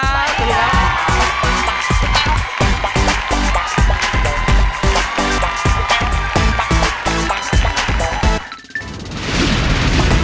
สวัสดีค่ะ